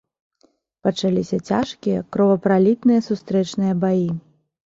Пачаліся цяжкія, кровапралітныя сустрэчныя баі.